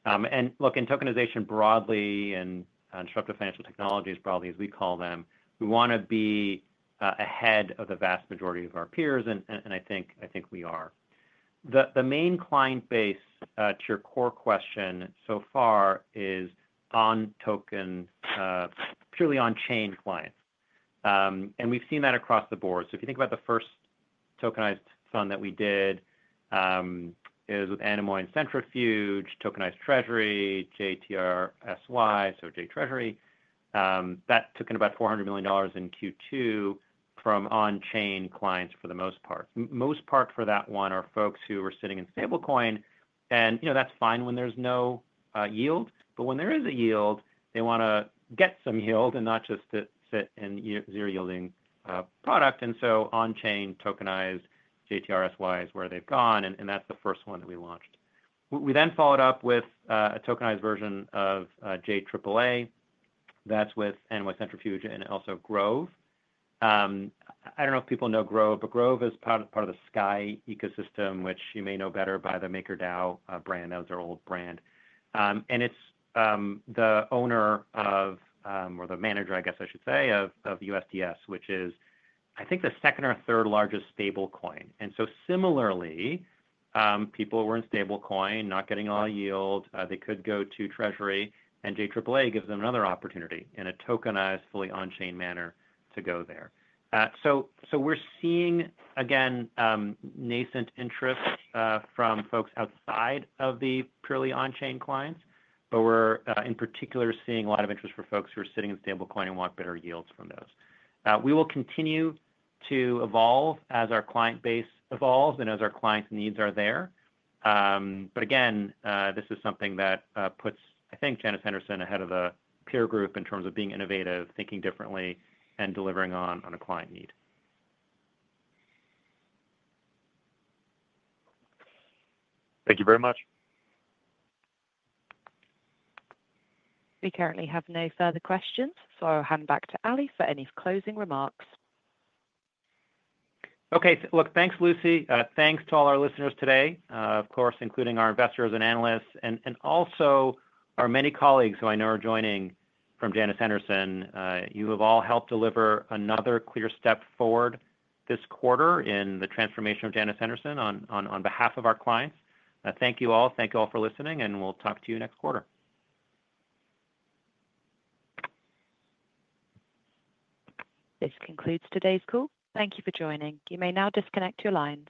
and look in tokenization broadly and disruptive financial technologies broadly, as we call them. We want to be ahead of the vast majority of our peers and I think we are. The main client base to your core question so far is on token purely on chain clients and we've seen that across the board. If you think about the first tokenized fund that we did, it is with Anemoy and Centrifuge, Tokenized Treasury JTRSY, so J Treasury, that took in about $400 million in Q2 from on chain clients for the most part. Most part for that one are folks who are sitting in stablecoin and that's fine when there's no yield, but when there is a yield they want to get some yield and not just sit in zero yielding product. On chain tokenized JTRSY is where they've gone and that's the first one that we launched. We then followed up with a tokenized version of JAAA, that's with Anemoy, Centrifuge, and also Grove. I don't know if people know Grove, but Grove is part of the Sky ecosystem, which you may know better by the MakerDAO brand. That was their old brand and it's the owner of or the manager, I guess I should say, of USDS, which is, I think, the second or third largest stablecoin. Similarly, people were in stablecoin not getting all yield. They could go to Treasury and JAAA gives them another opportunity in a tokenized, fully on chain manner to go there. We're seeing again nascent interest from folks outside of the purely on chain clients, but we're in particular seeing a lot of interest for folks who are sitting in stablecoin and want better yields from those. We will continue to evolve as our client base evolves and as our clients' needs are there. This is something that puts, I think, Janus Henderson ahead of the peer group in terms of being innovative, thinking differently, and delivering on a client need. Thank you very much. We currently have no further questions, so I'll hand back to Ali for any closing remarks. Okay, look, thanks Lucy. Thanks to all our listeners today, of course, including our investors and analysts and also our many colleagues who I know are joining from Janus Henderson. You have all helped deliver another clear step forward this quarter in the transformation of Janus Henderson. On behalf of our clients, thank you all. Thank you all for listening and we'll talk to you next quarter. This concludes today's call. Thank you for joining. You may now disconnect your lines.